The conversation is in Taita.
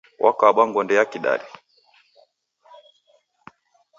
Wakabwa ngonde ya Kidari